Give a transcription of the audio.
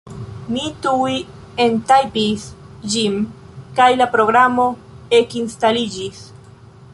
Mi tuj entajpis ĝin, kaj la programo ekinstaliĝis.